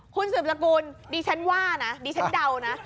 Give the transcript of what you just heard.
คุณสืบสกุลดิฉันว่านะดิฉันเดานะ